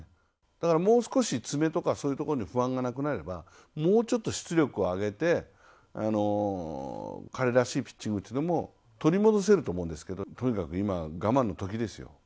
だからもう少し、爪とかそういうとこに不安がなくなればもうちょっと出力を上げて彼らしいピッチングを取り戻せると思うんですけどとにかく今は我慢のときですよ。